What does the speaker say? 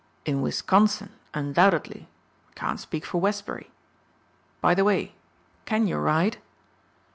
"In Wisconsin, undoubtedly: I can't speak for Westbury. By the way, can you ride?"